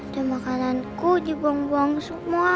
dan makananku dibuang buang semua